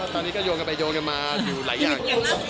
ตอนนี้ก็โยงกันไปโยนกันมาอยู่หลายอย่าง